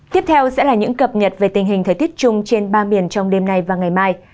tiếp theo sẽ là những cập nhật về tình hình thời tiết chung trên ba miền trong đêm nay và ngày mai